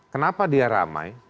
kenapa dia ramai